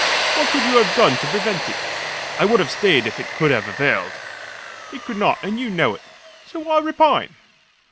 What could you have done to prevent it?" "I would have stayed if it could have availed." "It could not, and you know it. So why repine?"